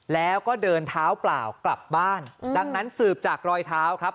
แล้วก็เดินเท้าเปล่ากลับบ้านดังนั้นสืบจากรอยเท้าครับ